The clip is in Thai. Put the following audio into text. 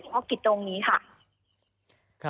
เพราะกิจตรงนี้ค่ะ